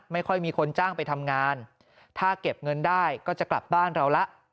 ไม่ค่อยมีคนจ้างไปทำงานถ้าเก็บเงินได้ก็จะกลับบ้านเราละ